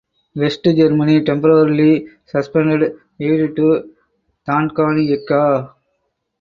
West Germany temporarily suspended aid to Tanganyika.